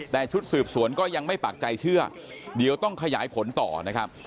แต่ชุดสืบสวนก็ยังไม่ปากใจเชื่อเดี๋ยวต้องขยายผลต่อนะครับ